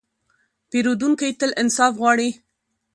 پیرودونکی تل انصاف غواړي.